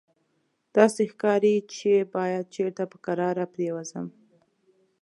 داسې ښکاري چې باید چېرته په کراره پرېوځم.